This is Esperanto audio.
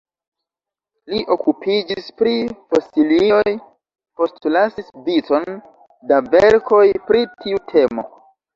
Li okupiĝis pri fosilioj, postlasis vicon da verkoj pri tiu temo.